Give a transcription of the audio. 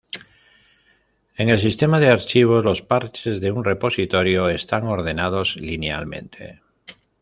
En el sistema de archivos, los parches de un repositorio están ordenados linealmente.